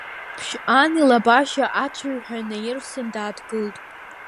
Ԥшьҟан илабашьа аҽыҩҳәа инаирсын, дааҭгылт.